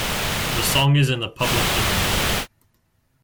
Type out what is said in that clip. The song is in the public domain.